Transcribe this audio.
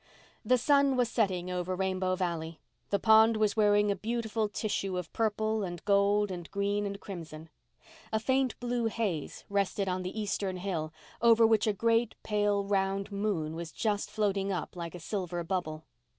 The sun was setting over Rainbow Valley. The pond was wearing a wonderful tissue of purple and gold and green and crimson. A faint blue haze rested on the eastern hill, over which a great, pale, round moon was just floating up like a silver bubble.